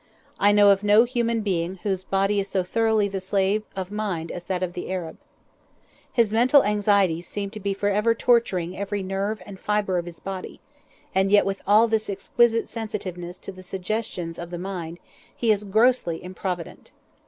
I know of no human being whose body is so thoroughly the slave of mind as that of the Arab. His mental anxieties seem to be for ever torturing every nerve and fibre of his body, and yet with all this exquisite sensitiveness to the suggestions of the mind, he is grossly improvident.